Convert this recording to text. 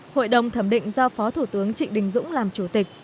hội đồng thẩm định do phó thủ tướng trịnh đình dũng làm chủ tịch